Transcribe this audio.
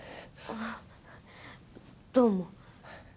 あどうも